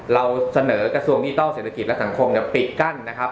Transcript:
เราเสนอกระทรวงดิจิทัลเศรษฐกิจและสังคมปิดกั้นนะครับ